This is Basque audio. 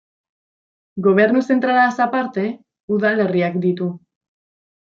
Gobernu zentralaz aparte, udalerriak ditu.